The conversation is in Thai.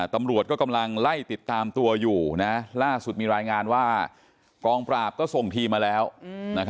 ตำรวจก็กำลังไล่ติดตามตัวอยู่ล่าสุดมีรายงานว่ากองปราบก็ส่งทีมมาแล้ว